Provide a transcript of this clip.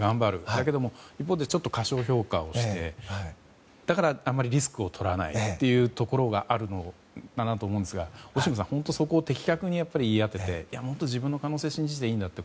だけれどもちょっと過小評価をしてだから、あまりリスクを取らないというところがあるのかなと思うんですがオシムさんはそこを的確に言い当ててもっと自分の可能性を信じていいんだと。